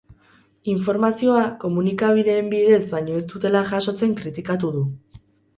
Informazioa komunikabideen bidez baino ez dutela jasotzen kritikatu du.